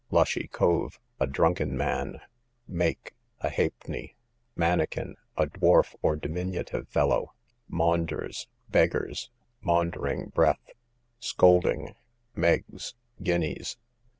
Lushy cove, a drunken man. Maik, a halfpenny. Mannikin, a dwarf or diminutive fellow. Maunders, beggars. Maundering breath, scolding. Meggs, guineas.